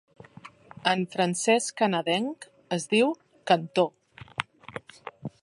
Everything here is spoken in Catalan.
En francès canadenc, es diu "cantó".